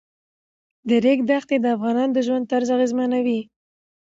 د ریګ دښتې د افغانانو د ژوند طرز اغېزمنوي.